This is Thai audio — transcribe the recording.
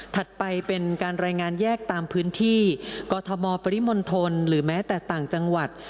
ไปเป็นการรายงานแยกตามพื้นที่กอทมปริมณฑลหรือแม้แต่ต่างจังหวัด